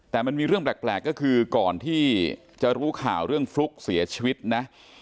แต่มันมีเรื่องแปลกก็คือก่อนที่จะรู้ข่าวเรื่องฟลุ๊กเสียชีวิตนะ